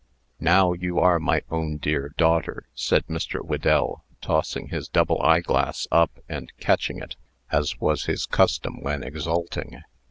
"Now, you are my own dear daughter!" said Mr. Whedell, tossing his double eyeglass up and catching it, as was his custom when exulting.